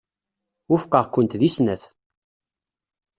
Wufqeɣ-kent deg snat.